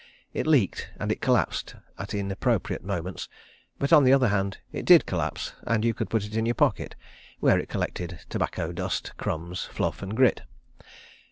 It leaked and it collapsed at inappropriate moments, but, on the other hand, it did collapse, and you could put it in your pocket—where it collected tobacco dust, crumbs, fluff, and grit.